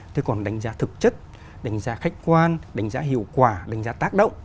thế còn đánh giá thực chất đánh giá khách quan đánh giá hiệu quả đánh giá tác động